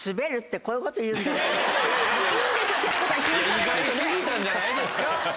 意外過ぎたんじゃないですか？